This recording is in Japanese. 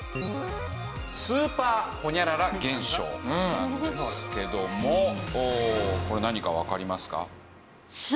スーパーホニャララ現象なんですけどもこれ何かわかりますか？